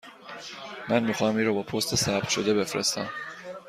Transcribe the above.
من می خواهم این را با پست ثبت شده بفرستم.